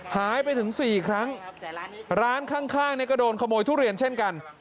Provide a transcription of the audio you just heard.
หายไปถึง๔ครั้งร้านข้างเนี่ยก็โดนขโมยทุเรียนเช่นกัน